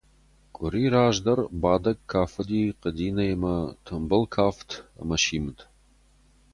Къуыри раздӕр Бадӕг кафыди Хъуыдинӕимӕ, тымбыл кафт ӕмӕ симд.